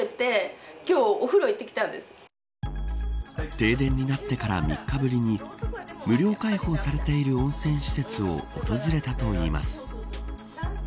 停電になってから３日ぶりに無料開放されている温泉施設を訪れたといいます。